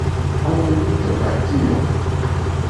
Komunista partio.